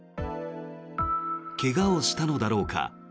怪我をしたのだろうか